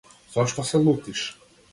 Зошто се лутиш?